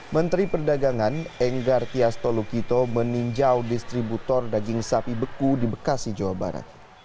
menteri perdagangan enggar tias tolukito meninjau distributor daging sapi beku di bekasi jawa barat